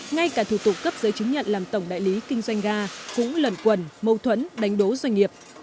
ngay cả thủ tục cấp giấy chứng nhận làm tổng đại lý kinh doanh ga cũng lần quẩn mâu thuẫn đánh đố doanh nghiệp